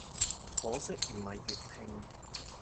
可惜唔係粵拼